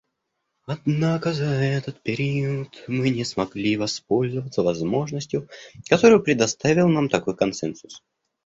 Однако за этот период мы не смогли воспользоваться возможностью, которую предоставил нам такой консенсус.